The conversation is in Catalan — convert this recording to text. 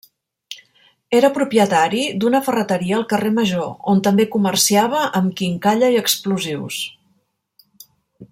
Era propietari d'una ferreteria al carrer Major, on també comerciava amb quincalla i explosius.